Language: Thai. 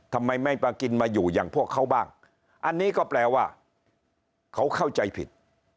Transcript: ทำไมไม่มากินมาอยู่อย่างพวกเขาบ้างอันนี้ก็แปลว่าเขาเข้าใจผิด